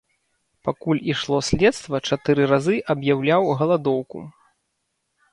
Пакуль ішло следства чатыры разы аб'яўляў галадоўку.